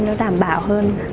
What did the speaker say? nó đảm bảo hơn